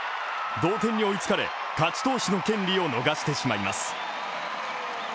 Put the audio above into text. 同点に追いつかれ、勝ち投手の権利を逃してしまいます。